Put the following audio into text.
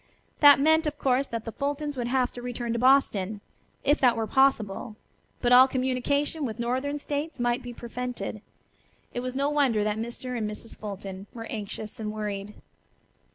That meant of course that the Fultons would have to return to Boston, if that were possible, but all communication with northern states might be prevented. It was no wonder that Mr. and Mrs. Fulton were anxious and worried.